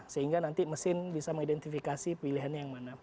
sehingga nanti mesin bisa mengidentifikasi pilihan